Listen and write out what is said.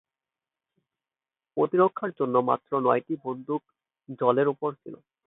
প্রতিরক্ষার জন্য মাত্র নয়টি বন্দুক জলের উপরে ছিল।